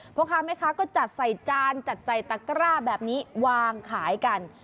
พ่อค้าแม่ค้าก็จัดใส่จานจัดใส่ตะกร้าแบบนี้วางขายกัน